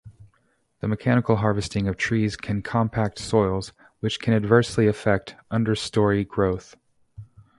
The mechanical harvesting of trees can compact soils, which can adversely affect understory growth.